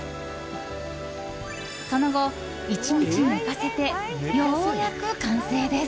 その後、１日寝かせてようやく完成です。